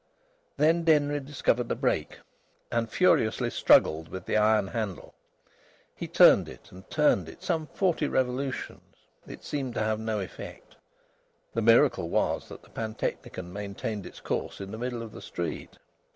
Then Denry discovered the brake, and furiously struggled with the iron handle. He turned it and turned it, some forty revolutions. It seemed to have no effect. The miracle was that the pantechnicon maintained its course in the middle of the street.